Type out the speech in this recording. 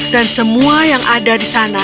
dan semua yang ada di sana